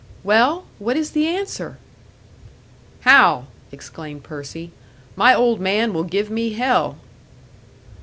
"Well? What is the answer?" "Hal," exclaimed Percy, "my old man will give me hell!"